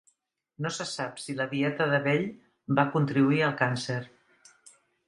No se sap si la dieta de Bell va contribuir al càncer.